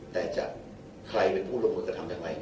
แต่จะว่าใครเป็นผู้ระบบกระทำยังไง